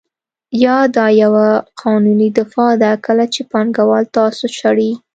یا دا یوه قانوني دفاع ده کله چې پانګوال تاسو شړي